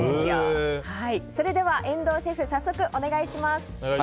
それでは、遠藤シェフ早速お願いします。